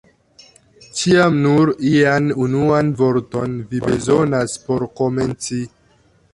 Ĉiam nur ian unuan vorton vi bezonas por komenci!